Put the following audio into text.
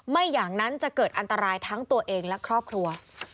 ไม่อย่างนั้นจะเกิดอันตรายทั้งตัวเองและครอบครัว